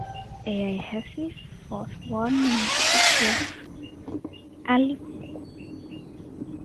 Al-Hafiz was born in the city of Aleppo.